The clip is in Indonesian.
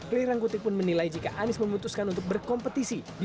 ray rangkuti pun menilai jika anies memutuskan untuk berkompetisi